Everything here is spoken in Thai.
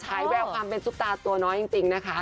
แววความเป็นซุปตาตัวน้อยจริงนะคะ